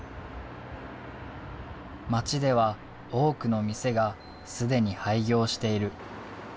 町では多くの店が既に廃業している。